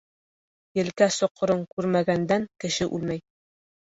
Елкә соҡорон күрмәгәндән кеше үлмәй.